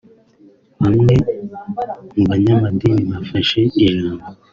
Bamwe mu banyamadini bafashe ijambo